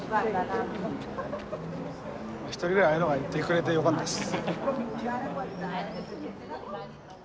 １人ぐらいああいうのがいてくれてよかったです。